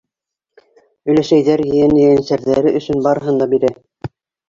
Өләсәйҙәр ейән-ейәнсәрҙәре өсөн барыһын да бирә.